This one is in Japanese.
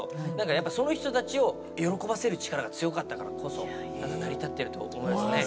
やっぱその人たちを喜ばせる力が強かったからこそ成り立ってるってことですね。